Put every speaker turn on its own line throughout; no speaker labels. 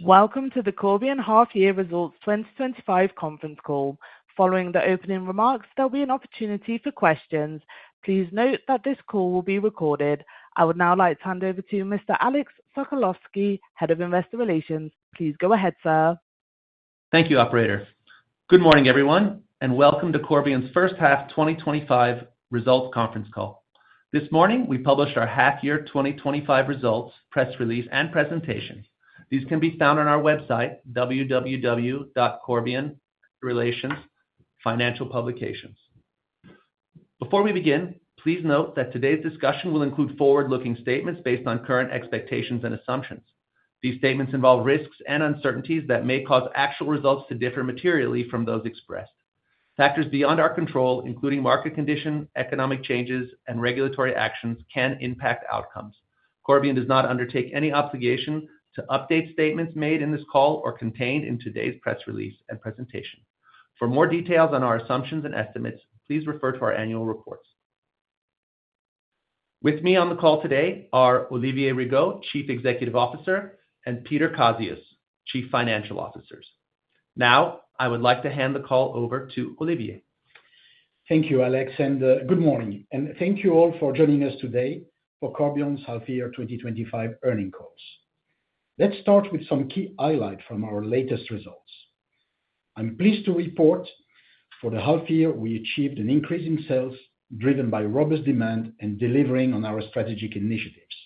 Welcome to the Corbion half year results 2025 conference call. Following the opening remarks, there'll be an opportunity for questions. Please note that this call will be recorded. I would now like to hand over to Mr. Alex Sokolowski, Head of Investor Relations. Please go ahead, sir.
Thank you, operator. Good morning, everyone, and welcome to Corbion's first half 2025 results conference call. This morning, we published our half year 2025 results, press release, and presentation. These can be found on our website, www.corbion.com, relations, financial publications. Before we begin, please note that today's discussion will include forward-looking statements based on current expectations and assumptions. These statements involve risks and uncertainties that may cause actual results to differ materially from those expressed. Factors beyond our control, including market conditions, economic changes, and regulatory actions, can impact outcomes. Corbion does not undertake any obligation to update statements made in this call or contained in today's press release and presentation. For more details on our assumptions and estimates, please refer to our annual reports. With me on the call today are Olivier Rigaud, Chief Executive Officer, and Peter Kazius, Chief Financial Officer. Now, I would like to hand the call over to Olivier.
Thank you, Alex, and good morning, and thank you all for joining us today for Corbion's half year 2025 earnings calls. Let's start with some key highlights from our latest results. I'm pleased to report that for the half year, we achieved an increase in sales, driven by robust demand and delivering on our strategic initiatives.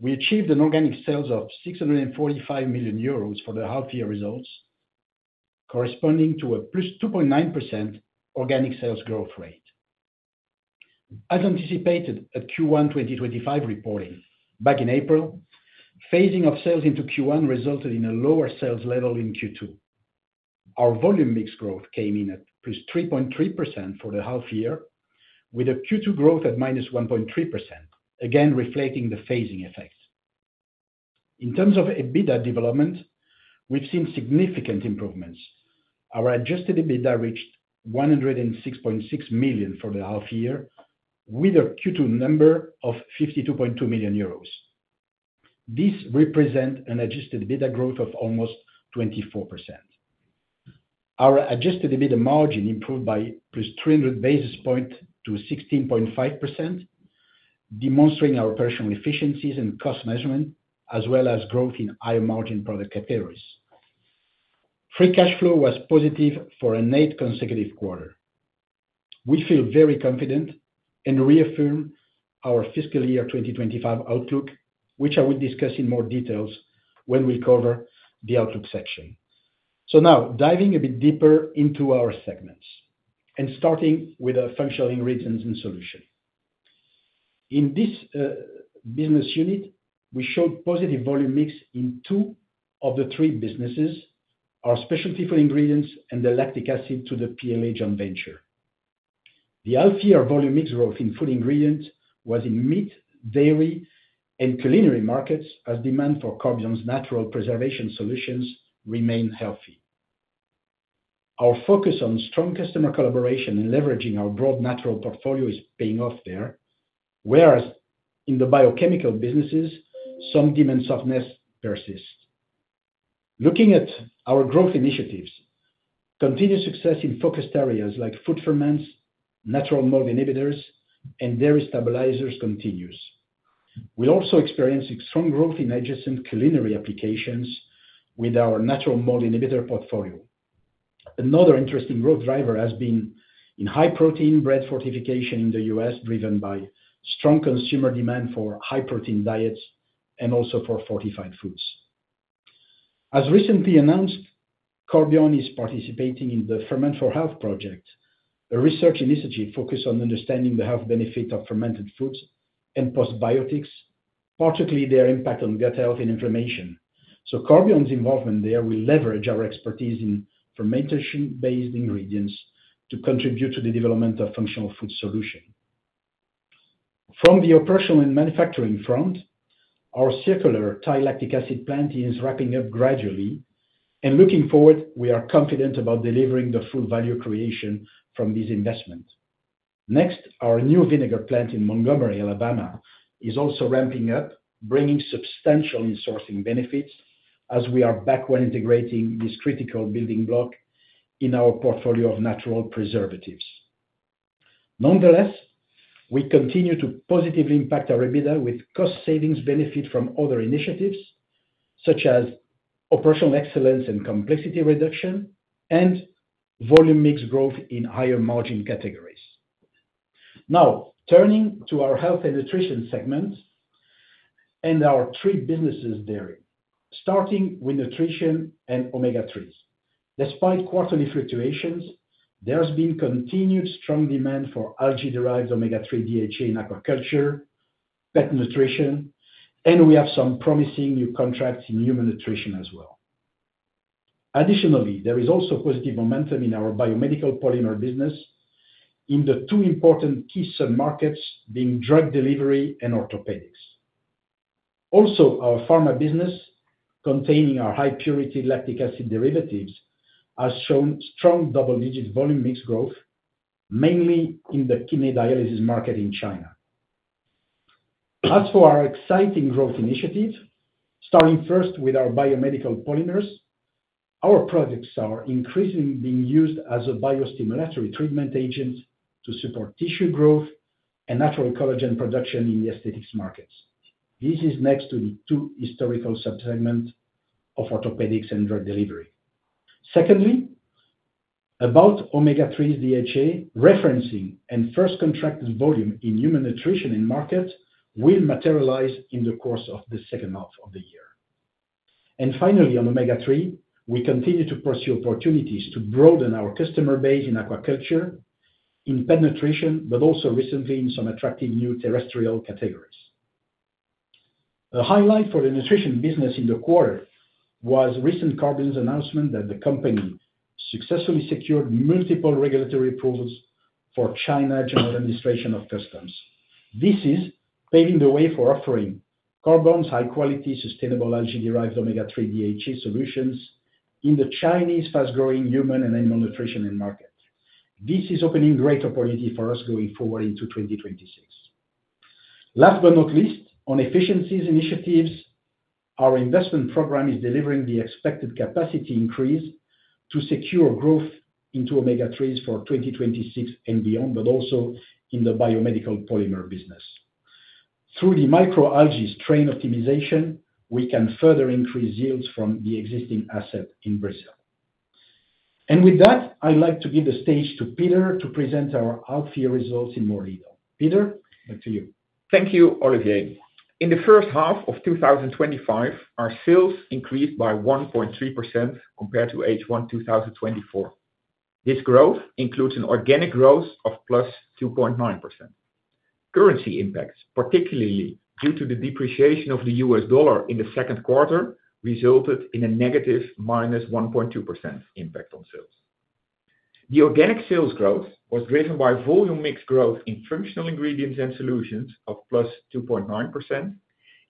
We achieved an organic sales of 645 million euros for the half-year results, corresponding to a +2.9% organic sales growth rate. As anticipated at Q1 2025 reporting back in April, phasing of sales into Q1 resulted in a lower sales level in Q2. Our volume mix growth came in at +3.3% for the half year, with a Q2 growth at -1.3%, again reflecting the phasing effect. In terms of EBITDA development, we've seen significant improvements. Our adjusted EBITDA reached 106.6 million for the half year, with a Q2 number of 52.2 million euros. This represents an adjusted EBITDA growth of almost 24%. Our adjusted EBITDA margin improved by +300 basis points to 16.5%, demonstrating our operational efficiencies and cost management, as well as growth in higher margin product categories. Free cash flow was positive for an eighth consecutive quarter. We feel very confident and reaffirm our fiscal year 2025 outlook, which I will discuss in more detail when we cover the outlook section. Now, diving a bit deeper into our segments, and starting with our Functional Ingredients & Solutions. In this business unit, we showed positive volume mix in two of the three businesses: our specialty food ingredients and lactic acid to the PLA joint venture. The half-year volume mix growth in food ingredients was in meat, dairy, and culinary markets, as demand for Corbion's natural preservation solutions remained healthy. Our focus on strong customer collaboration and leveraging our broad natural portfolio is paying off there, whereas in the biochemical businesses, some demand softness persists. Looking at our growth initiatives, continued success in focused areas like food ferments, natural mold inhibitors, and dairy stabilizers continues. We're also experiencing strong growth in adjacent culinary applications with our natural mold inhibitor portfolio. Another interesting growth driver has been in high-protein bread fortification in the U.S., driven by strong consumer demand for high-protein diets and also for fortified foods. As recently announced, Corbion is participating in the Ferment4Health project, a research initiative focused on understanding the health benefits of fermented foods and postbiotics, particularly their impact on gut health and inflammation. Corbion's involvement there will leverage our expertise in fermentation-based ingredients to contribute to the development of functional food solutions. From the operational and manufacturing front, our circular lactic acid plant is ramping up gradually, and looking forward, we are confident about delivering the full value creation from this investment. Our new vinegar plant in Montgomery, Alabama, is also ramping up, bringing substantial insourcing benefits as we are back integrating this critical building block in our portfolio of natural preservatives. Nonetheless, we continue to positively impact our EBITDA with cost savings benefits from other initiatives such as operational excellence and complexity reduction and volume mix growth in higher margin categories. Now, turning to our Health & Nutrition segment and our three businesses there, starting with nutrition and omega-3. Despite quarterly fluctuations, there's been continued strong demand for algae-derived omega-3 DHA in aquaculture, pet nutrition, and we have some promising new contracts in human nutrition as well. Additionally, there is also positive momentum in our Biomedical Polymer business, in the two important keystone markets being drug delivery and orthopedics. Our Pharma business, containing our lactic acid derivatives, has shown strong double-digit volume mix growth, mainly in the kidney dialysis market in China. As for our exciting growth initiatives, starting first with our biomedical polymers, our products are increasingly being used as a biostimulatory treatment agent to support tissue growth and natural collagen production in the aesthetics markets. This is next to the two historical subsegments of orthopedics and drug delivery. About omega-3 DHA, referencing and first contract volume in human nutrition and market will materialize in the course of the second half of the year. Finally, on omega-3, we continue to pursue opportunities to broaden our customer base in aquaculture, in pet nutrition, but also recently in some attractive new terrestrial categories. A highlight for the nutrition business in the quarter was the recent Corbion announcement that the company successfully secured multiple regulatory approvals from the China General Administration of Customs. This is paving the way for offering Corbion's high-quality, sustainable algae-derived omega-3 DHA solutions in the Chinese fast-growing human and animal nutrition market. This is opening great opportunities for us going forward into 2026. Last but not least, on efficiencies initiatives, our investment program is delivering the expected capacity increase to secure growth into omega-3 for 2026 and beyond, also in the Biomedical Polymer business. Through the microalgae strain optimization, we can further increase yields from the existing asset in Brazil. With that, I'd like to give the stage to Peter to present our half-year results in more detail. Peter, back to you.
Thank you, Olivier. In the first half of 2025, our sales increased by 1.3% compared to H1 2024. This growth includes an organic growth of +2.9%. Currency impacts, particularly due to the depreciation of the U.S. dollar in the second quarter, resulted in a negative -1.2% impact on sales. The organic sales growth was driven by volume mix growth in Functional Ingredients & Solutions of +2.9%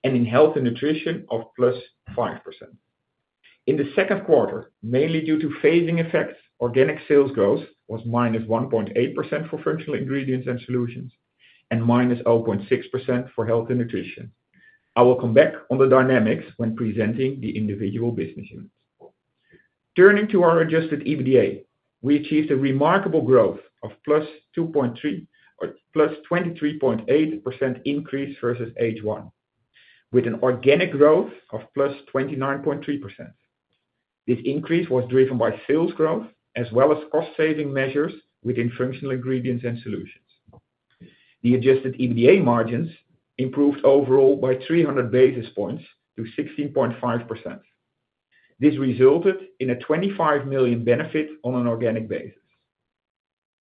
and in Health & Nutrition of +5%. In the second quarter, mainly due to phasing effects, organic sales growth was -1.8% for Functional Ingredients & Solutions and -0.6% for Health & Nutrition. I will come back on the dynamics when presenting the individual business units. Turning to our adjusted EBITDA, we achieved a remarkable growth of +23.8% increase versus H1, with an organic growth of +29.3%. This increase was driven by sales growth as well as cost-saving measures within Functional Ingredients & Solutions. The adjusted EBITDA margins improved overall by 300 basis points to 16.5%. This resulted in a 25 million benefit on an organic basis.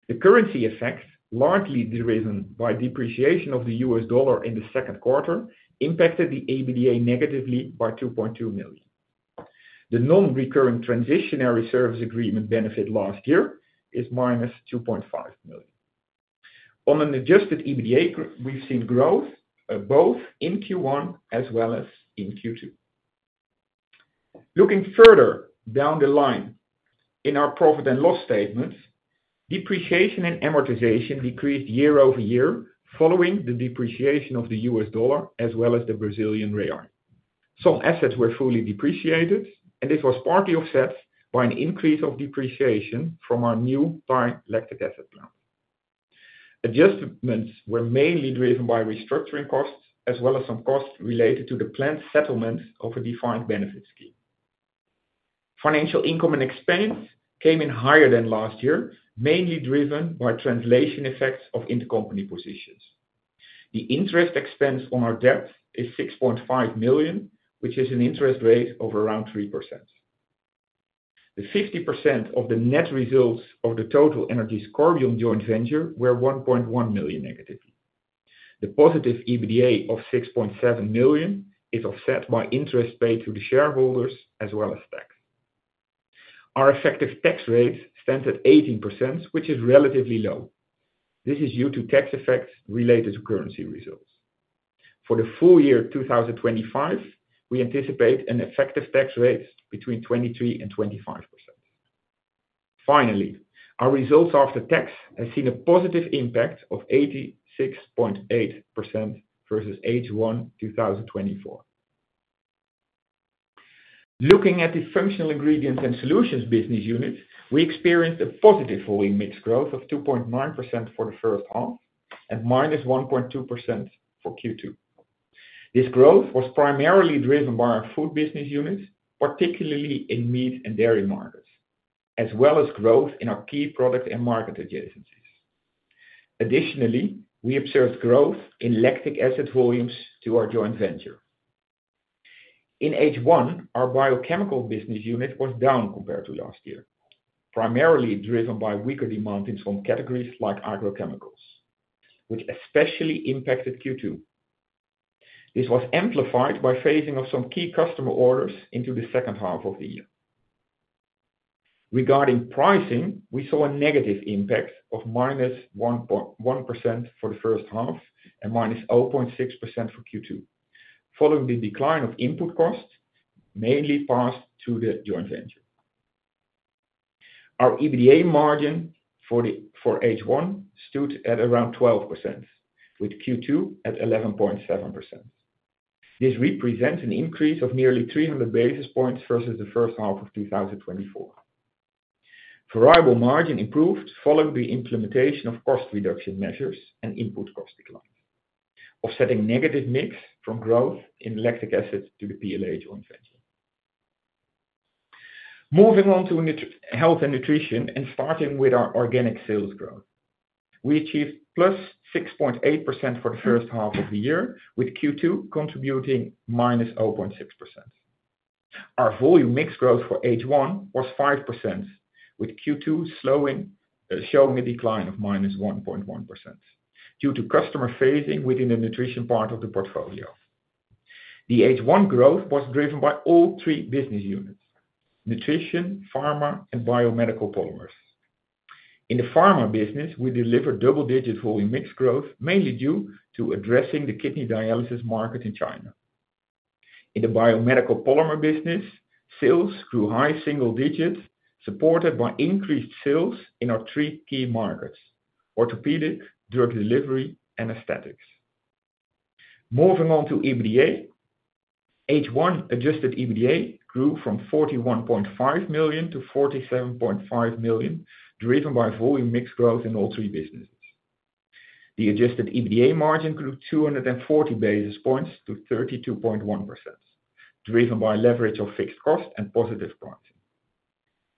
The currency effect, largely driven by the depreciation of the U.S. dollar in the second quarter, impacted the EBITDA negatively by 2.2 million. The non-recurring transitionary service agreement benefit last year is -2.5 million. On an adjusted EBITDA, we've seen growth both in Q1 as well as in Q2. Looking further down the line in our Profit and Loss statements, depreciation and amortization decreased year over year following the depreciation of the U.S. dollar as well as the Brazilian real. Some assets were fully depreciated, and this was partly offset by an increase of depreciation from our lactic acid plant. Adjustments were mainly driven by restructuring costs as well as some costs related to the plant settlement of a defined benefit scheme. Financial income and expense came in higher than last year, mainly driven by translation effects of intercompany positions. The interest expense on our debt is 6.5 million, which is an interest rate of around 3%. The 50% of the net results of the TotalEnergies Corbion joint venture were 1.1 million negatively. The positive EBITDA of 6.7 million is offset by interest paid to the shareholders as well as tax. Our effective tax rate stands at 18%, which is relatively low. This is due to tax effects related to currency results. For the full year 2025, we anticipate an effective tax rate between 23% and 25%. Finally, our results after tax have seen a positive impact of 86.8% versus H1 2024. Looking at Functional Ingredients & Solutions business units, we experienced a positive volume mix growth of 2.9% for the first half and -1.2% for Q2. This growth was primarily driven by our food business units, particularly in meat and dairy markets, as well as growth in our key product and market adjacencies. Additionally, we observed growth in Lactic Acid volumes to our joint venture. In H1, our Biochemical business unit was down compared to last year, primarily driven by weaker demand in some categories like agrochemicals, which especially impacted Q2. This was amplified by phasing of some key customer orders into the second half of the year. Regarding pricing, we saw a negative impact of -1.1% for the first half and -0.6% for Q2, following the decline of input costs, mainly passed to the joint venture. Our EBITDA margin for H1 stood at around 12%, with Q2 at 11.7%. This represents an increase of nearly 300 basis points versus the first half of 2024. Variable margin improved following the implementation of cost reduction measures and input cost decline, offsetting negative mix from growth in Lactic Acid to the PLA joint venture. Moving on to Health & Nutrition and starting with our organic sales growth, we achieved +6.8% for the first half of the year, with Q2 contributing -0.6%. Our volume mix growth for H1 was 5%, with Q2 showing a decline of -1.1% due to customer phasing within the nutrition part of the portfolio. The H1 growth was driven by all three business units: Nutrition, Pharma, and Biomedical Polymers. In the Pharma business, we delivered double-digit volume mix growth, mainly due to addressing the kidney dialysis market in China. In the Biomedical Polymer business, sales grew high single digit, supported by increased sales in our three key markets: orthopedic, drug delivery, and aesthetics. Moving on to EBITDA, H1 adjusted EBITDA grew from 41.5 million-47.5 million, driven by volume mix growth in all three businesses. The adjusted EBITDA margin grew 240 basis points to 32.1%, driven by leverage of fixed costs and positive pricing.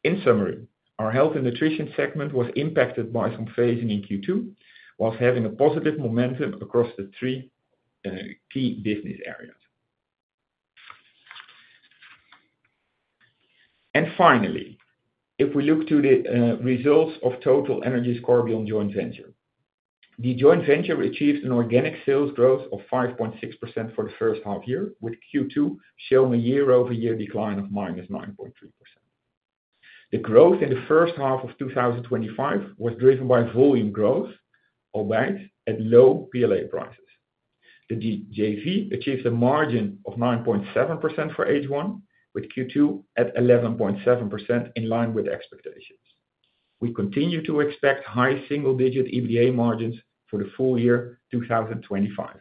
In summary, our Health & Nutrition segment was impacted by some phasing in Q2, whilst having a positive momentum across the three key business areas. Finally, if we look to the results of the TotalEnergies Corbion joint venture, the joint venture achieved an organic sales growth of 5.6% for the first half year, with Q2 showing a year-over-year decline of -9.3%. The growth in the first half of 2025 was driven by volume growth, albeit at low PLA prices. The joint venture achieved a margin of 9.7% for H1, with Q2 at 11.7% in line with expectations. We continue to expect high single-digit EBITDA margins for the full year 2025.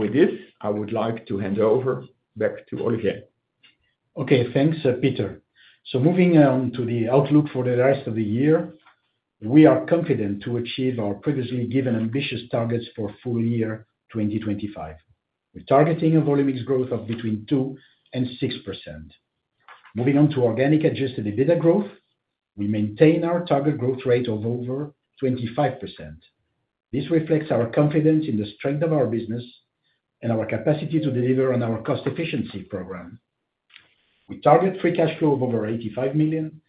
With this, I would like to hand over back to Olivier.
Okay, thanks, Peter. Moving on to the outlook for the rest of the year, we are confident to achieve our previously given ambitious targets for the full year 2025, targeting a volume mix growth of between 2% and 6%. Moving on to organic adjusted EBITDA growth, we maintain our target growth rate of over 25%. This reflects our confidence in the strength of our business and our capacity to deliver on our cost efficiency program. We target free cash flow of over 85 million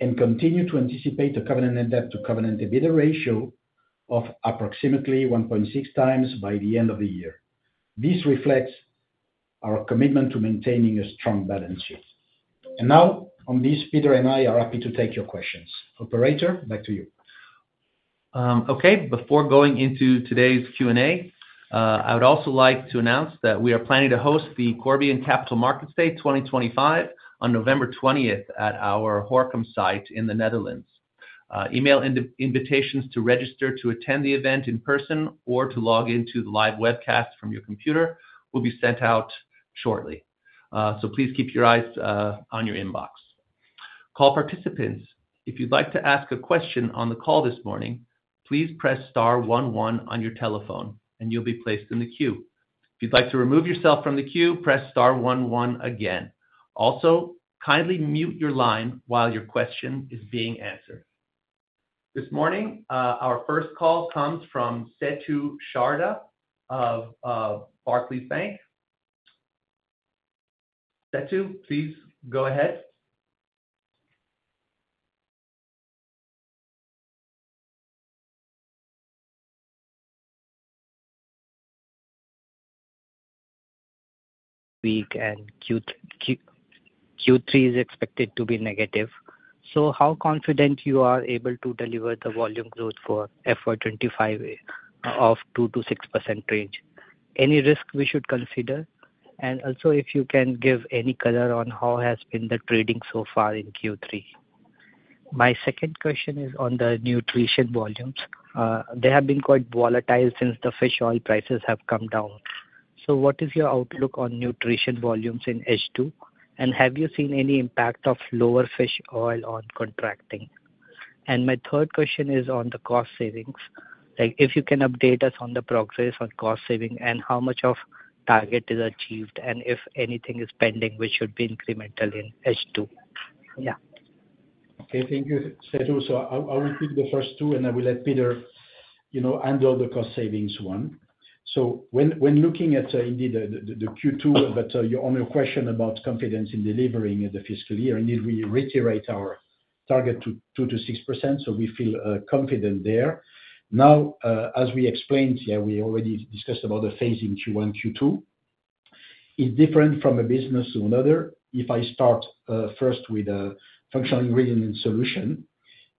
and continue to anticipate a covenant-to-covenant EBITDA ratio of approximately 1.6x by the end of the year. This reflects our commitment to maintaining a strong balance sheet. Peter and I are happy to take your questions. Operator, back to you.
Okay, before going into today's Q&A, I would also like to announce that we are planning to host the Corbion Capital Markets Day 2025 on November 20th at our Gorinchem site in the Netherlands. Email invitations to register to attend the event in person or to log into the live webcast from your computer will be sent out shortly. Please keep your eyes on your inbox. Call participants, if you'd like to ask a question on the call this morning, please press star one one on your telephone and you'll be placed in the queue. If you'd like to remove yourself from the queue, press star one one again. Also, kindly mute your line while your question is being answered. This morning, our first call comes from Setu Sharda of Barclays. Setu, please go ahead.
Q3 is expected to be negative. How confident are you that you are able to deliver the volume growth for FY 2025 of 2%-6% range? Are there any risks we should consider? If you can give any color on how trading has been so far in Q3, that would be helpful. My second question is on the nutrition volumes. They have been quite volatile since the fish oil prices have come down. What is your outlook on nutrition volumes in H2? Have you seen any impact of lower fish oil on contracting? My third question is on the cost savings. If you can update us on the progress on cost saving and how much of the target is achieved, and if anything is pending which should be incremental in H2. Yeah.
Okay, thank you, Setu. I'll repeat the first two and I will let Peter handle the cost savings one. When looking at indeed the Q2, on your question about confidence in delivering the fiscal year, indeed we reiterate our target to 2%-6%. We feel confident there. As we explained, we already discussed about the phasing Q1 and Q2. It's different from a business to another. If I start first with a Functional Ingredient & Solution,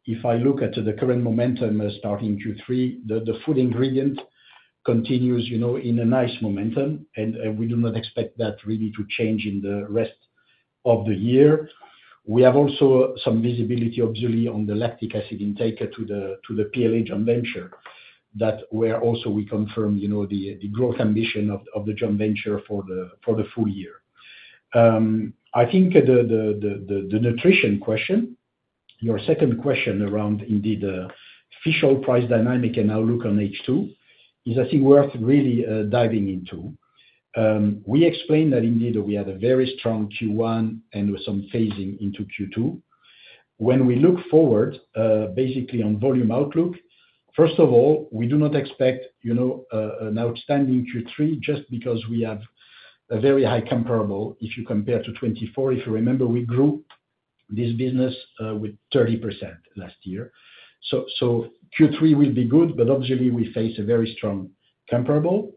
if I look at the current momentum starting Q3, the food ingredient continues in a nice momentum and we do not expect that really to change in the rest of the year. We have also some visibility, obviously, on lactic acid intake to the PLA joint venture where also we confirm the growth ambition of the joint venture for the full year. I think the nutrition question, your second question around indeed the fish oil price dynamic and our look on H2 is a thing worth really diving into. We explained that indeed we had a very strong Q1 with some phasing into Q2. When we look forward, basically on volume outlook, first of all, we do not expect an outstanding Q3 just because we have a very high comparable if you compare to 2024. If you remember, we grew this business with 30% last year. Q3 will be good, but obviously we face a very strong comparable.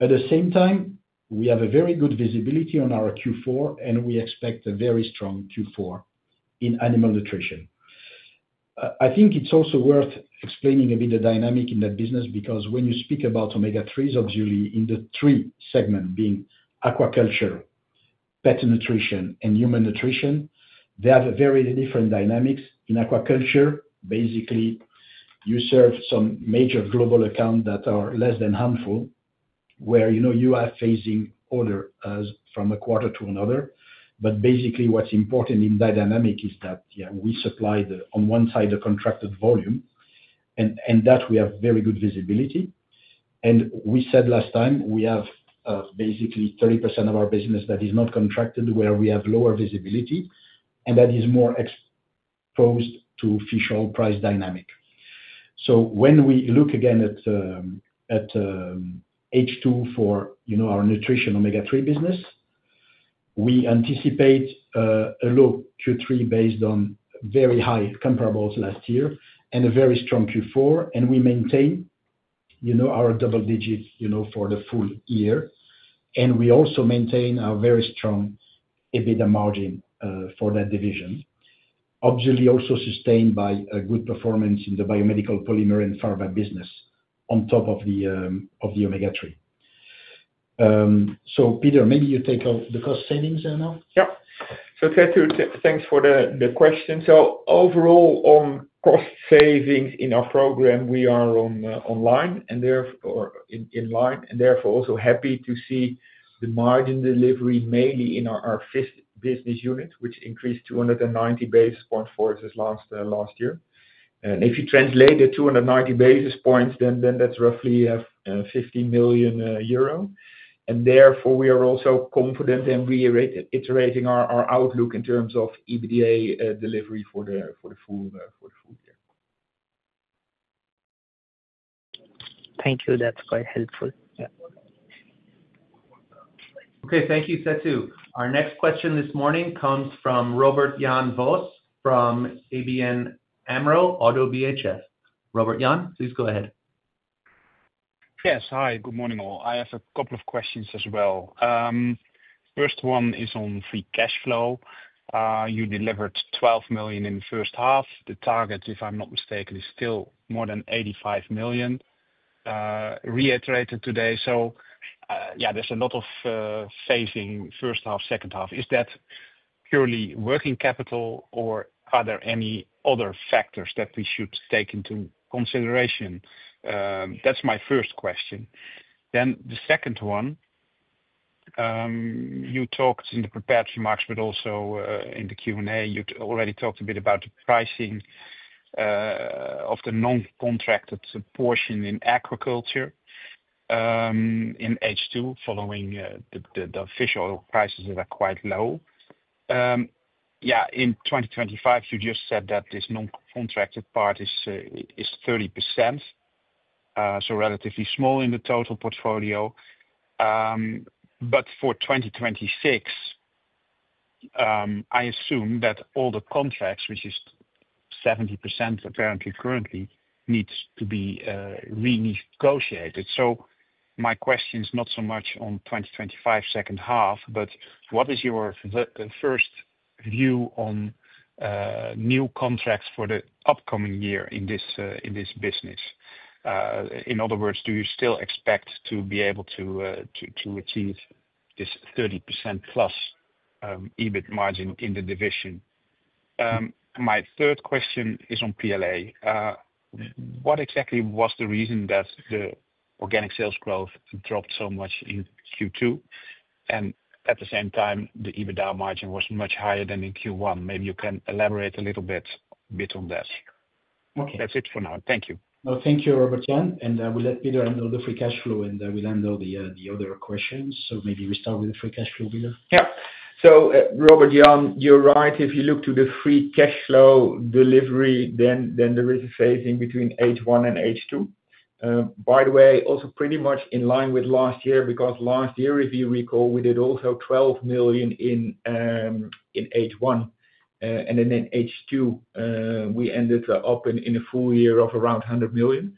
At the same time, we have a very good visibility on our Q4 and we expect a very strong Q4 in animal nutrition. I think it's also worth explaining a bit the dynamic in that business because when you speak about omega-3s, obviously in the three segments being aquaculture, pet nutrition, and human nutrition, they have very different dynamics. In aquaculture, basically you serve some major global accounts that are less than harmful, where you are phasing order from a quarter to another. What's important in that dynamic is that we supply, on one side, the contracted volume and that we have very good visibility. We said last time we have basically 30% of our business that is not contracted where we have lower visibility and that is more exposed to fish oil price dynamic. When we look again at H2 for our nutrition omega-3 business, we anticipate a low Q3 based on very high comparables last year and a very strong Q4. We maintain our double digit for the full year. We also maintain our very strong EBITDA margin for that division, obviously also sustained by a good performance in the Biomedical Polymer and Pharma business on top of the omega-3. Peter, maybe you take the cost savings and all.
Yeah. Setu, thanks for the question. Overall on cost savings in our program, we are online and therefore in line and therefore also happy to see the margin delivery mainly in our fifth business unit, which increased 290 basis points versus last year. If you translate the 290 basis points, then that's roughly 50 million euro. Therefore we are also confident and reiterating our outlook in terms of EBITDA delivery for the full year.
Thank you. That's quite helpful.
Okay, thank you, Setu. Our next question this morning comes from Robert Jan Vos from ABN AMRO ODDO BHF. Robert Jan, please go ahead.
Yes, hi, good morning all. I have a couple of questions as well. First one is on free cash flow. You delivered 12 million in the first half. The target, if I'm not mistaken, is still more than 85 million, reiterated today. There's a lot of phasing first half, second half. Is that purely working capital or are there any other factors that we should take into consideration? That's my first question. The second one, you talked in the prepared remarks, but also in the Q&A, you already talked a bit about the pricing of the non-contracted portion in aquaculture in H2 following the fish oil prices that are quite low. In 2025, you just said that this non-contracted part is 30%. So relatively small in the total portfolio. For 2026, I assume that all the contracts, which is 70% apparently currently, need to be renegotiated. My question is not so much on 2025 second half, but what is your first view on new contracts for the upcoming year in this business? In other words, do you still expect to be able to achieve this 30%+ EBIT margin in the division? My third question is on PLA. What exactly was the reason that the organic sales growth dropped so much in Q2? At the same time, the EBITDA margin was much higher than in Q1. Maybe you can elaborate a little bit on this. That's it for now. Thank you.
No, thank you, Robert Jan. I will let Peter handle the free cash flow, and I will handle the other questions. Maybe we start with the free cash flow, Peter.
Yeah. So Robert Jan, you're right. If you look to the free cash flow delivery, then there is a phasing between H1 and H2. By the way, also pretty much in line with last year because last year, if you recall, we did also 12 million in H1, and then in H2, we ended up in a full year of around 100 million.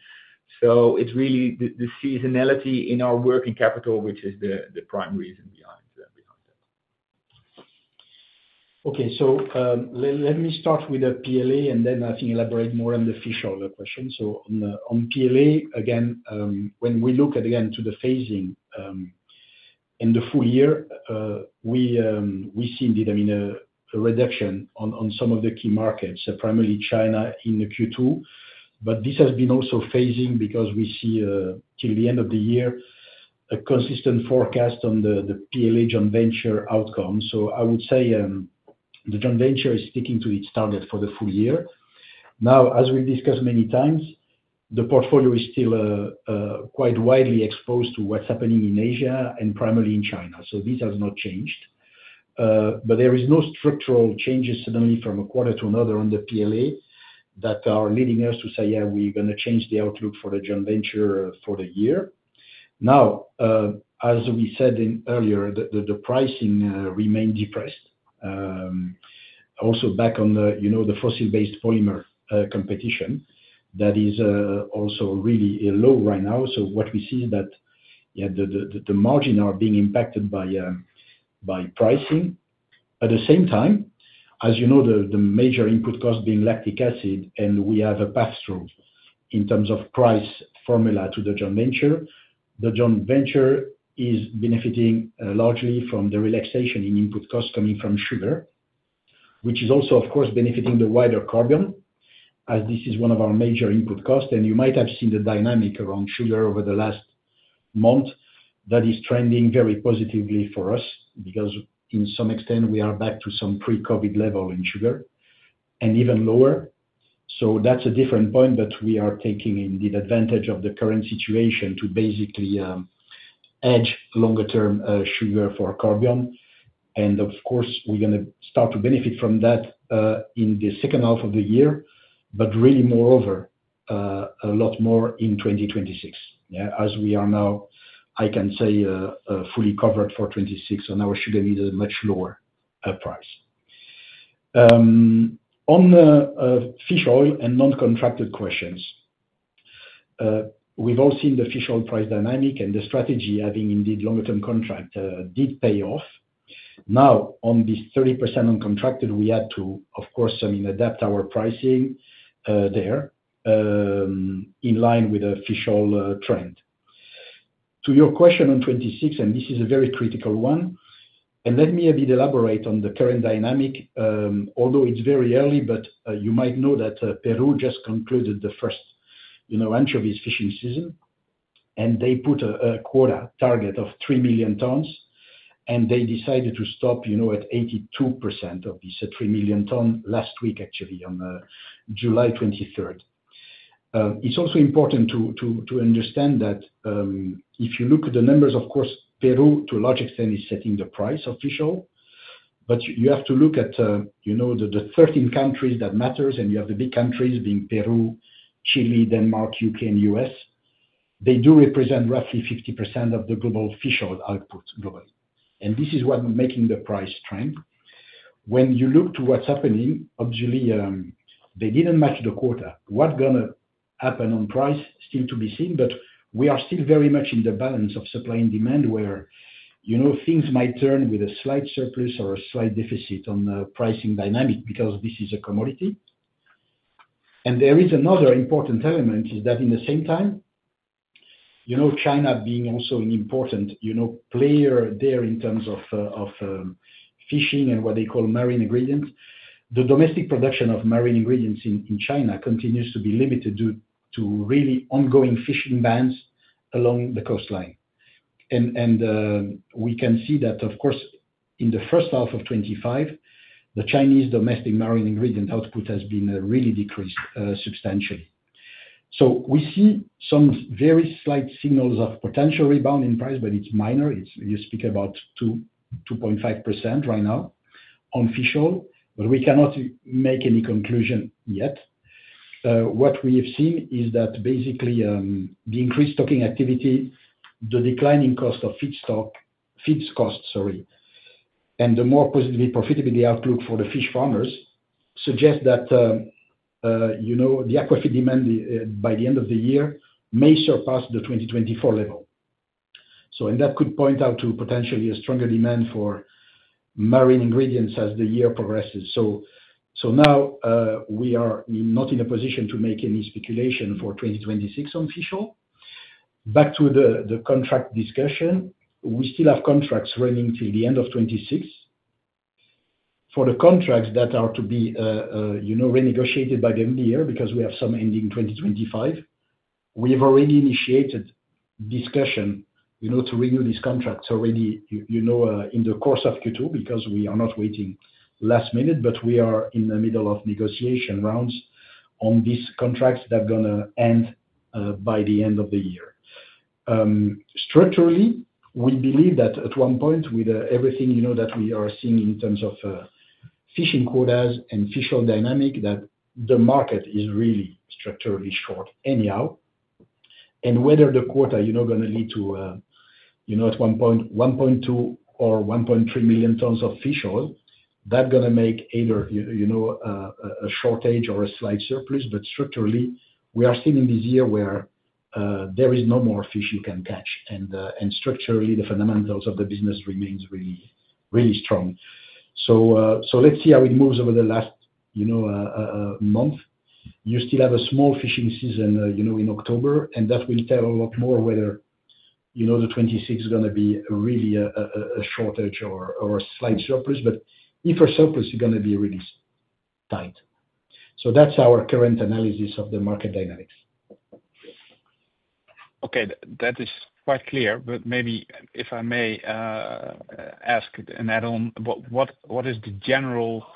It is really the seasonality in our working capital, which is the prime reason behind that.
Okay, let me start with the PLA and then I can elaborate more on the fish oil question. On PLA, when we look again to the phasing in the full year, we see indeed a reduction on some of the key markets, primarily China in Q2. This has been also phasing because we see till the end of the year a consistent forecast on the PLA joint venture outcome. I would say the joint venture is sticking to its target for the full year. As we've discussed many times, the portfolio is still quite widely exposed to what's happening in Asia and primarily in China. This has not changed. There are no structural changes suddenly from a quarter to another on the PLA that are leading us to say we're going to change the outlook for the joint venture for the year. As we said earlier, the pricing remained depressed. Also, back on the fossil-based polymer competition, that is also really low right now. What we see is that the margins are being impacted by pricing. At the same time, as you know, the major input cost lactic acid, and we have a path through in terms of price formula to the joint venture, the joint venture is benefiting largely from the relaxation in input costs coming from sugar, which is also, of course, benefiting the wider Corbion, as this is one of our major input costs. You might have seen the dynamic around sugar over the last month that is trending very positively for us because to some extent, we are back to some pre-COVID level in sugar and even lower. That's a different point, but we are taking the advantage of the current situation to basically add longer-term sugar for Corbion. Of course, we're going to start to benefit from that in the second half of the year, but really moreover, a lot more in 2026. As we are now, I can say fully covered for 2026, and our sugar needs at a much lower price. On fish oil and non-contracted questions, we've all seen the fish oil price dynamic and the strategy having indeed longer-term contract did pay off. On this 30% uncontracted, we had to adapt our pricing there in line with the fish oil trend. To your question on 2026, and this is a very critical one, let me elaborate on the current dynamic. Although it's very early, you might know that Peru just concluded the first anchovies fishing season. They put a quota target of 3 million tons, and they decided to stop at 82% of this 3 million tons last week, actually, on July 23rd. It's also important to understand that if you look at the numbers, of course, Peru, to a large extent, is setting the price of fish oil. You have to look at the 13 countries that matter, and you have the big countries being Peru, Chile, Denmark, U.K., and U.S. They do represent roughly 50% of the global fish oil output globally. This is what's making the price trend. When you look to what's happening, obviously, they didn't match the quota. What's going to happen on price is still to be seen, but we are still very much in the balance of supply and demand where things might turn with a slight surplus or a slight deficit on pricing dynamic because this is a commodity. There is another important element in that, at the same time, China being also an important player there in terms of fishing and what they call marine ingredients, the domestic production of marine ingredients in China continues to be limited due to really ongoing fishing bans along the coastline. We can see that, of course, in the first half of 2025, the Chinese domestic marine ingredient output has been really decreased substantially. We see some very slight signals of potential rebound in price, but it's minor. You speak about 2.5% right now on fish oil, but we cannot make any conclusion yet. What we have seen is that basically the increased stocking activity, the declining cost of feed stock, feed costs, and the more positive profitability outlook for the fish farmers suggests that the aquaculture market's demand by the end of the year may surpass the 2024 level. That could point out to potentially a stronger demand for marine ingredients as the year progresses. We are not in a position to make any speculation for 2026 on fish oil. Back to the contract discussion, we still have contracts running till the end of 2026. For the contracts that are to be renegotiated by the MDR because we have some ending 2025, we have already initiated discussion to renew these contracts already in the course of Q2 because we are not waiting last minute, but we are in the middle of negotiation rounds on these contracts that are going to end by the end of the year. Structurally, we believe that at one point with everything that we are seeing in terms of fishing quotas and fish oil dynamic, the market is really structurally short anyhow. Whether the quota is going to lead to, at one point, 1.2 or 1.3 million tons of fish oil, that's going to make either a shortage or a slight surplus. Structurally, we are still in this year where there is no more fish you can catch, and structurally, the fundamentals of the business remain really, really strong. Let's see how it moves over the last month. You still have a small fishing season in October, and that will tell a lot more whether 2026 is going to be really a shortage or a slight surplus, but if a surplus, it's going to be really tight. That's our current analysis of the market dynamics.
Okay, that is quite clear, but maybe if I may ask and add on, what is the general,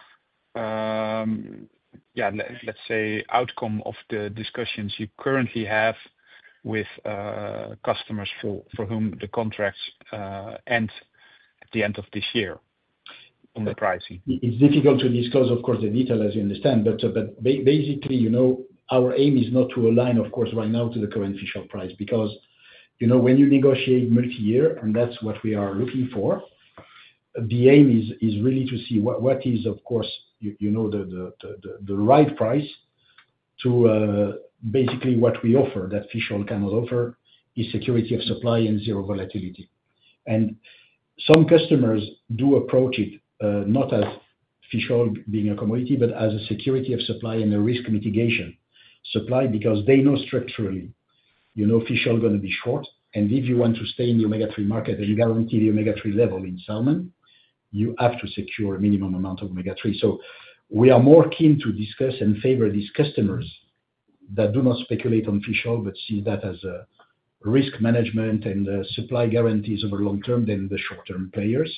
yeah, let's say, outcome of the discussions you currently have with customers for whom the contracts end at the end of this year on the pricing?
It's difficult to disclose, of course, the detail as you understand, but basically, you know, our aim is not to align, of course, right now to the current fish oil price because, you know, when you negotiate multi-year, and that's what we are looking for, the aim is really to see what is, of course, you know, the right price to basically what we offer that fish oil cannot offer, is security of supply and zero volatility. Some customers do approach it not as fish oil being a commodity, but as a security of supply and a risk mitigation supply because they know structurally, you know, fish oil is going to be short. If you want to stay in the omega-3 market and you guarantee the omega-3 level in salmon, you have to secure a minimum amount of omega-3. We are more keen to discuss and favor these customers that do not speculate on fish oil, but see that as a risk management and supply guarantees over the long term than the short-term players.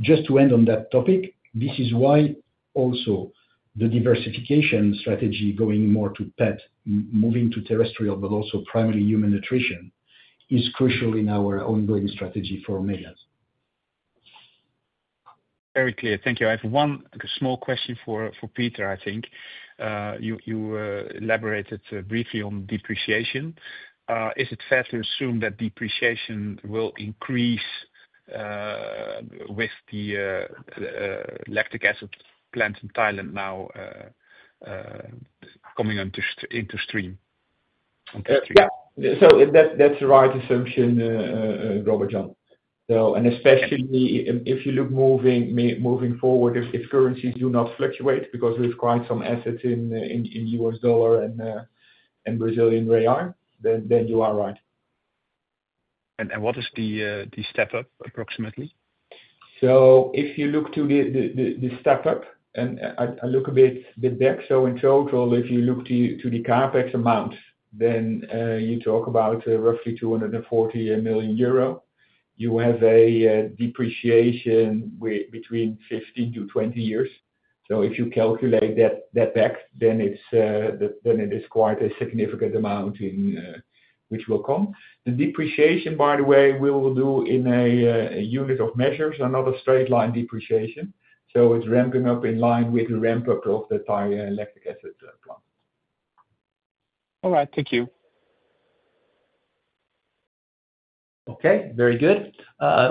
Just to end on that topic, this is why also the diversification strategy going more to pet, moving to terrestrial, but also primarily human nutrition is crucial in our ongoing strategy for omegas.
Very clear. Thank you. I have one small question for Peter, I think. You elaborated briefly on depreciation. Is it fair to assume that depreciation will increase with lactic acid plant in Thailand now coming into stream?
Yeah, that's the right assumption, Robert Jan. Especially if you look moving forward, if currencies do not fluctuate because we've quite some assets in US dollar and Brazilian real, then you are right.
What is the step-up approximately?
If you look to the step-up, and I look a bit back, in total, if you look to the CapEx amounts, then you talk about roughly 240 million euro. You have a depreciation between 15 to 20 years. If you calculate that back, then it is quite a significant amount which will come. The depreciation, by the way, we will do in a unit of measures, not a straight line depreciation. It's ramping up in line with the ramp-up of the lactic acid plant.
All right, thank you.
Okay, very good.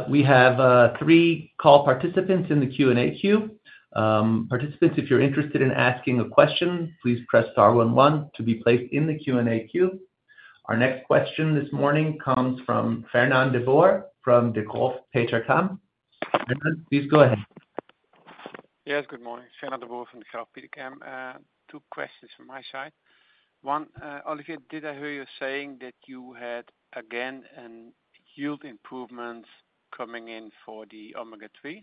We have three call participants in the Q&A queue. Participants, if you're interested in asking a question, please press star one one to be placed in the Q&A queue. Our next question this morning comes from Fernand de Boer from Degroof Petercam. Please go ahead.
Yes, good morning. Fernand de Boer from Degroof Petercam. Two questions from my side. One, Olivier, did I hear you saying that you had again yield improvements coming in for the omega-3?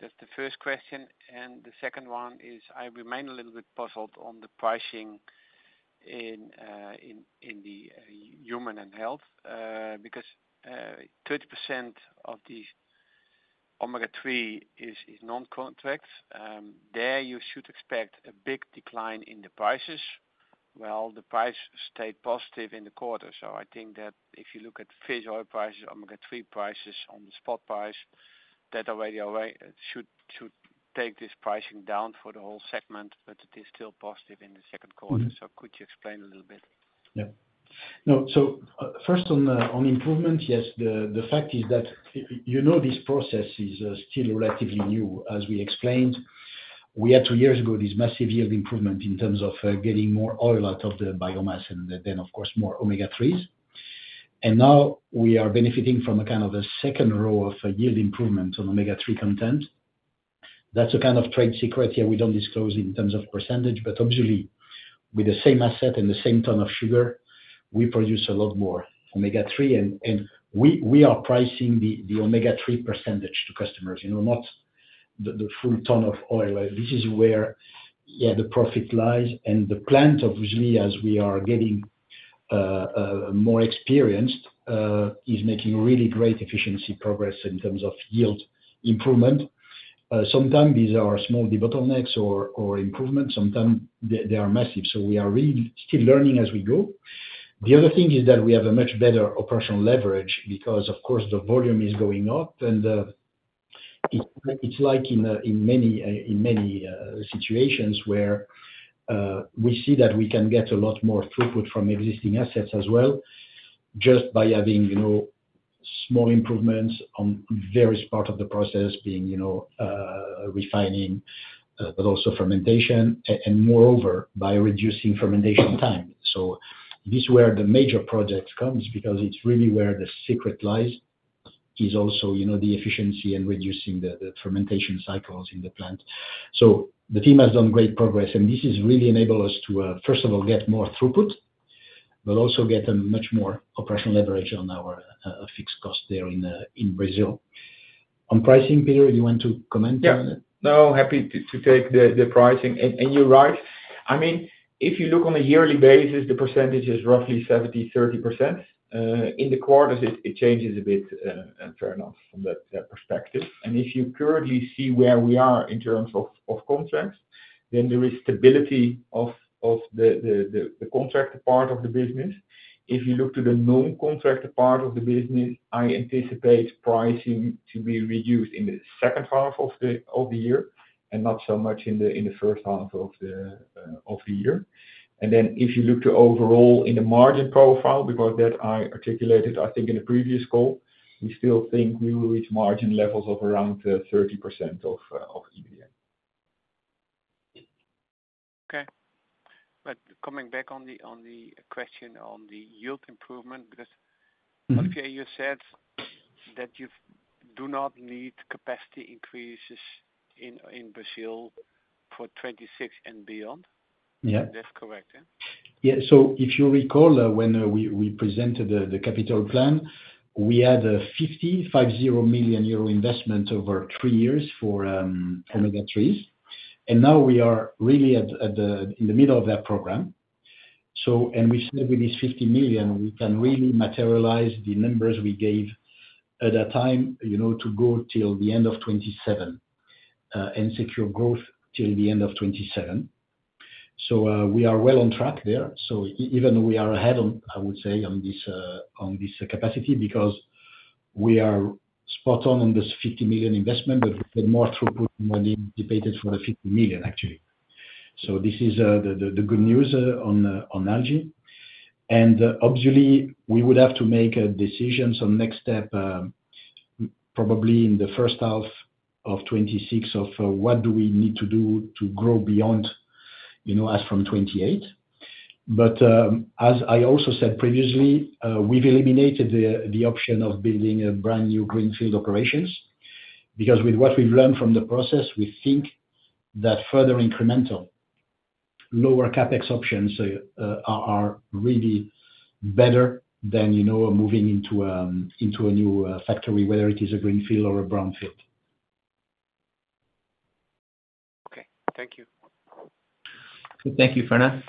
That's the first question. The second one is, I remain a little bit puzzled on the pricing in the human and health because 30% of these omega-3 is non-contracts. There you should expect a big decline in the prices. The price stayed positive in the quarter. I think that if you look at fish oil prices, omega-3 prices on the spot price, that already should take this pricing down for the whole segment, but it is still positive in the second quarter. Could you explain a little bit?
Yeah. No, so first on improvements, yes, the fact is that you know this process is still relatively new. As we explained, we had two years ago this massive yield improvement in terms of getting more oil out of the biomass and then, of course, more omega-3s. Now we are benefiting from a kind of a second row of yield improvement on omega-3 content. That's a kind of trade secret. We don't disclose in terms of %, but obviously with the same asset and the same ton of sugar, we produce a lot more omega-3 and we are pricing the omega-3 % to customers, you know, not the full ton of oil. This is where the profit lies. The plant, obviously, as we are getting more experienced, is making really great efficiency progress in terms of yield improvement. Sometimes these are small bottlenecks or improvements. Sometimes they are massive. We are really still learning as we go. The other thing is that we have a much better operational leverage because, of course, the volume is going up and it's like in many situations where we see that we can get a lot more throughput from existing assets as well just by having, you know, small improvements on various parts of the process, being, you know, refining, but also fermentation, and moreover, by reducing fermentation time. This is where the major project comes because it's really where the secret lies is also, you know, the efficiency and reducing the fermentation cycles in the plant. The team has done great progress and this has really enabled us to, first of all, get more throughput, but also get a much more operational leverage on our fixed cost there in Brazil. On pricing, Peter, do you want to comment on that?
Yeah, no, happy to take the pricing. You're right. If you look on a yearly basis, the percentage is roughly 70%-30%. In the quarters, it changes a bit, fair enough, from that perspective. If you currently see where we are in terms of contracts, there is stability of the contractor part of the business. If you look to the non-contractor part of the business, I anticipate pricing to be reduced in the second half of the year and not so much in the first half of the year. If you look to overall in the margin profile, because that I articulated, I think in a previous call, we still think we will reach margin levels of around 30% of EBITDA.
Okay. Coming back on the question on the yield improvement, Olivier, you said that you do not need capacity increases in Brazil for 2026 and beyond.
Yeah.
That's correct, yeah?
Yeah, if you recall when we presented the capital plan, we had a 50 million euro investment over three years for omega-3s. We are really in the middle of that program, and with this 50 million, we can really materialize the numbers we gave at that time to go till the end of 2027 and secure growth till the end of 2027. We are well on track there. I would say we are even ahead on this capacity because we are spot on with this 50 million investment, but more throughput money debated for the 50 million, actually. This is the good news on algae. Obviously, we would have to make decisions on the next step, probably in the first half of 2026, of what we need to do to grow beyond us from 2028. As I also said previously, we've eliminated the option of building a brand new greenfield operations because with what we've learned from the process, we think that further incremental, lower CapEx options are really better than moving into a new factory, whether it is a greenfield or a brownfield.
Okay, thank you.
Thank you, Fernand.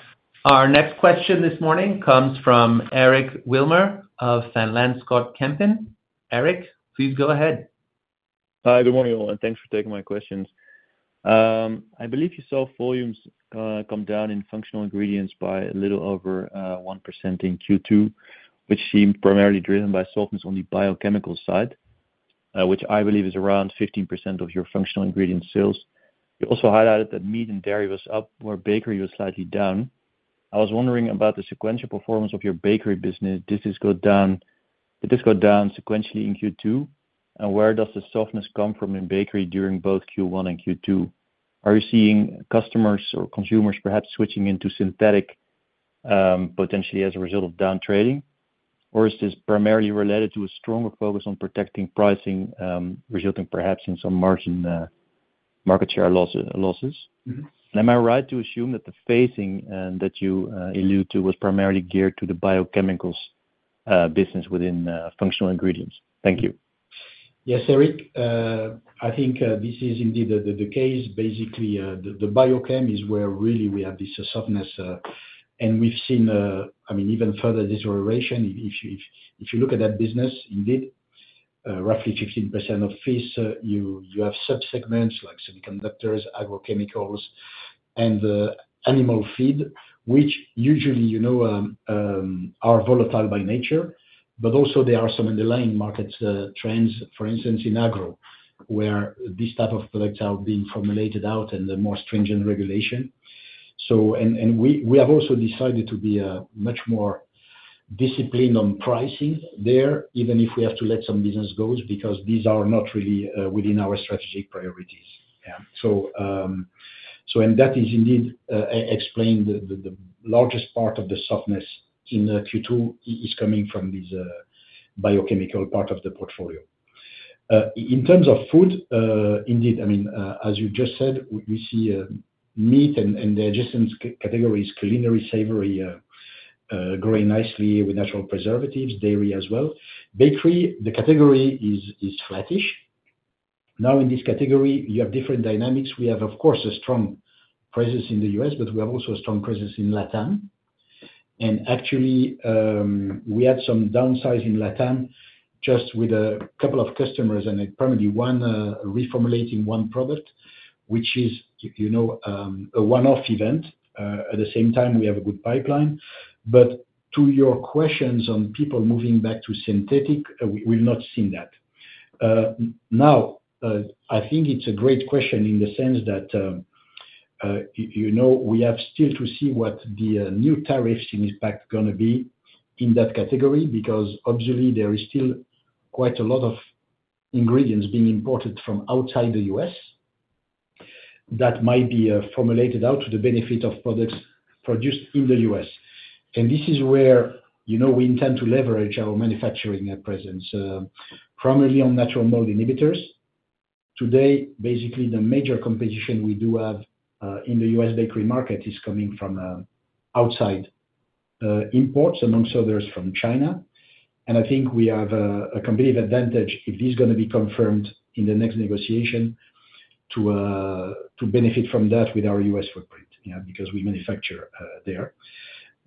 Our next question this morning comes from Eric Wilmer of Van Lanschot Kempen. Eric, please go ahead.
Hi, good morning all, and thanks for taking my questions. I believe you saw volumes come down in functional ingredients by a little over 1% in Q2, which seemed primarily driven by softness on the biochemical side, which I believe is around 15% of your functional ingredient sales. You also highlighted that meat and dairy was up, where bakery was slightly down. I was wondering about the sequential performance of your bakery business. Did this go down sequentially in Q2? Where does the softness come from in bakery during both Q1 and Q2? Are you seeing customers or consumers perhaps switching into synthetic potentially as a result of downtrading? Is this primarily related to a stronger focus on protecting pricing, resulting perhaps in some market share losses? Am I right to assume that the phasing that you alluded to was primarily geared to the biochemicals business within functional ingredients? Thank you.
Yes, Eric. I think this is indeed the case. Basically, the biochem is where really we have this softness. We've seen, I mean, even further deterioration. If you look at that business, indeed, roughly 15% of fish, you have subsegments like semiconductors, agrochemicals, and animal feed, which usually, you know, are volatile by nature. There are also some underlying market trends, for instance, in agro, where these types of products are being formulated out under more stringent regulation. We have also decided to be much more disciplined on pricing there, even if we have to let some business go because these are not really within our strategic priorities. That is indeed explained the largest part of the softness in Q2 is coming from this biochemical part of the portfolio. In terms of food, indeed, I mean, as you just said, we see meat and the adjacent categories, culinary, savory, growing nicely with natural preservatives, dairy as well. Bakery, the category is flat-ish. Now in this category, you have different dynamics. We have, of course, a strong presence in the U.S., but we have also a strong presence in LATAM. Actually, we had some downsize in LATAM just with a couple of customers and primarily one reformulating one product, which is, you know, a one-off event. At the same time, we have a good pipeline. To your questions on people moving back to synthetic, we've not seen that. I think it's a great question in the sense that, you know, we have still to see what the new tariffs in impact are going to be in that category because obviously there is still quite a lot of ingredients being imported from outside the U.S. that might be formulated out to the benefit of products produced in the U.S. This is where, you know, we intend to leverage our manufacturing presence, primarily on natural mold inhibitors. Today, basically, the major competition we do have in the U.S. bakery market is coming from outside imports, amongst others from China. I think we have a competitive advantage if this is going to be confirmed in the next negotiation to benefit from that with our U.S. footprint, because we manufacture there.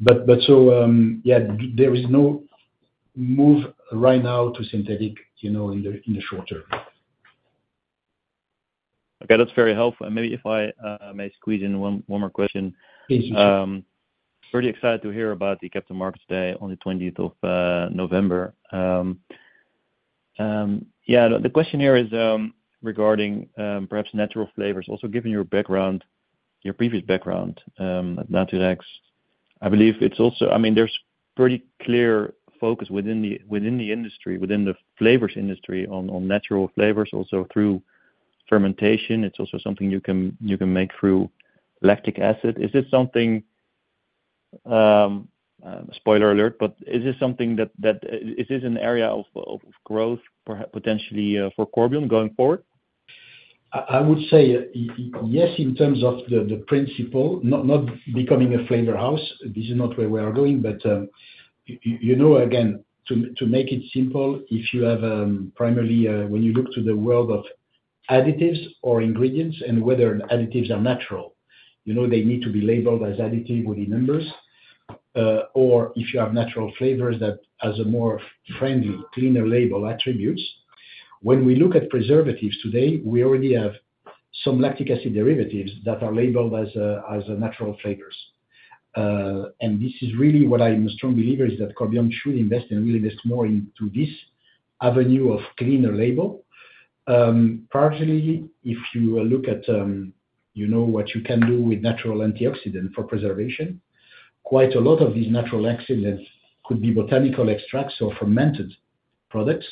There is no move right now to synthetic, you know, in the short term.
Okay, that's very helpful. Maybe if I may squeeze in one more question.
Please do.
I'm pretty excited to hear about the Capital Markets Day on the 20th of November. The question here is regarding perhaps natural flavors. Also, given your background, your previous background at natu ex, I believe it's also, I mean, there's a pretty clear focus within the industry, within the flavors industry on natural flavors, also through fermentation. It's also something you can make lactic acid. is this something, spoiler alert, but is this something that, is this an area of growth potentially for Corbion going forward?
I would say yes, in terms of the principle, not becoming a flavor house. This is not where we are going, but you know, again, to make it simple, if you have primarily, when you look to the world of additives or ingredients and whether the additives are natural, you know, they need to be labeled as additive with numbers. Or if you have natural flavors that have more friendly, cleaner label attributes. When we look at preservatives today, we already have lactic acid derivatives that are labeled as natural flavors. This is really what I'm a strong believer is that Corbion should invest and will invest more into this avenue of cleaner label. Partially, if you look at, you know, what you can do with natural antioxidants for preservation, quite a lot of these natural excellence could be botanical extracts or fermented products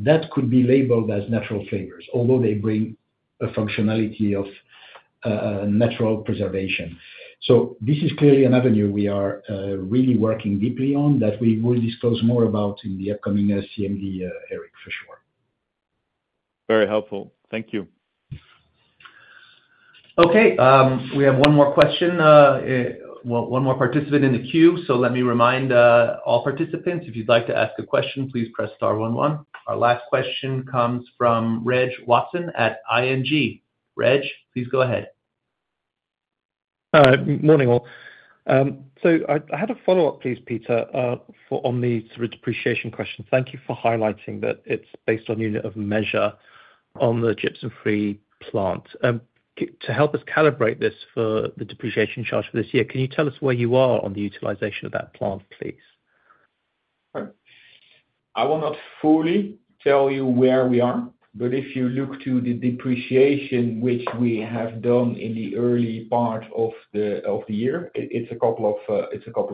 that could be labeled as natural flavors, although they bring a functionality of natural preservation. This is clearly an avenue we are really working deeply on that we will disclose more about in the upcoming CMD, Eric, for sure.
Very helpful. Thank you.
Okay, we have one more question. One more participant in the queue. Let me remind all participants, if you'd like to ask a question, please press star one one. Our last question comes from Reg Watson at ING. Reg, please go ahead.
Morning all. I had a follow-up, please, Peter, on the depreciation question. Thank you for highlighting that it's based on the unit of measure on the gypsum-free plant. To help us calibrate this for the depreciation charge for this year, can you tell us where you are on the utilization of that plant, please?
I will not fully tell you where we are, but if you look to the depreciation which we have done in the early part of the year, it's a couple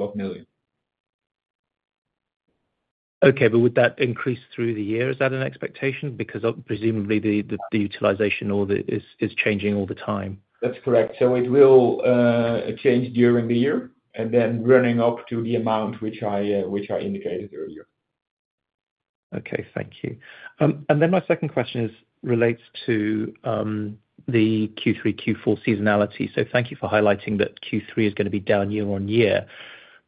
of million.
Okay, would that increase through the year? Is that an expectation? Because presumably the utilization is changing all the time.
That's correct. It will change during the year, running up to the amount which I indicated earlier.
Okay, thank you. My second question relates to the Q3-Q4 seasonality. Thank you for highlighting that Q3 is going to be down year on year.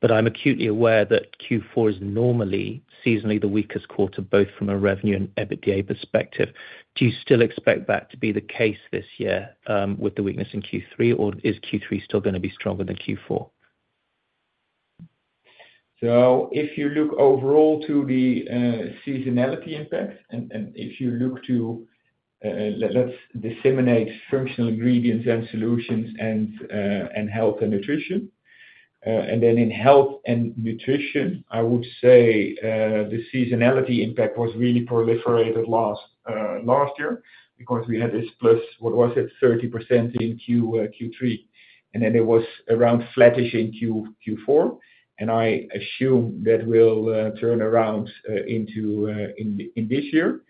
I'm acutely aware that Q4 is normally seasonally the weakest quarter, both from a revenue and EBITDA perspective. Do you still expect that to be the case this year with the weakness in Q3, or is Q3 still going to be stronger than Q4?
If you look overall to the seasonality impact, and if you look to Functional Ingredients & Solutions and Health & Nutrition. In Health & Nutrition, I would say the seasonality impact was really proliferated last year because we had this plus, what was it, 30% in Q3, and then it was around flattish in Q4. I assume that will turn around into in this year.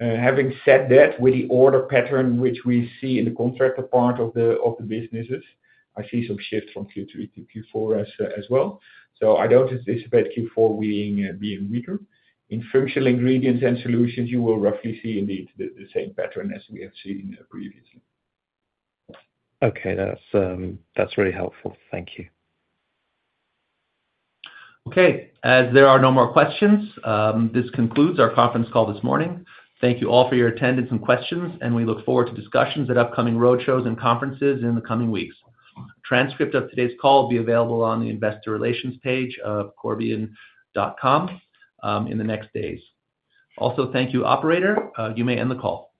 Having said that, with the order pattern which we see in the contractor part of the businesses, I see some shifts from Q3 to Q4 as well. I don't anticipate Q4 being weaker. In Functional Ingredients & Solutions, you will roughly see indeed the same pattern as we have seen previously.
Okay, that's really helpful. Thank you.
Okay, as there are no more questions, this concludes our conference call this morning. Thank you all for your attendance and questions, and we look forward to discussions at upcoming roadshows and conferences in the coming weeks. The transcript of today's call will be available on the Investor Relations page of corbion.com in the next days. Also, thank you, Operator. You may end the call.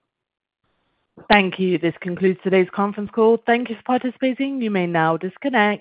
Thank you. This concludes today's conference call. Thank you for participating. You may now disconnect.